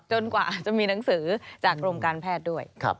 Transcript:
กว่าจะมีหนังสือจากกรมการแพทย์ด้วย